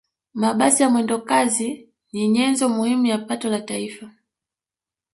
mabasi ya mwendokazi ni nyenzo muhimu ya pato la taifa